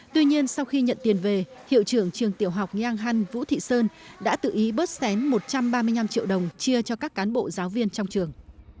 tuy nhiên sau khi nhận tiền về hiệu trưởng trường tiểu học giang hăn vũ thị sơn đã tự ý bớt xén một trăm ba mươi năm triệu đồng chia cho các cán bộ giáo viên trong trường